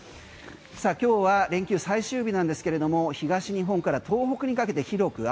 今日は連休最終日なんですが東日本から東北にかけて広く雨。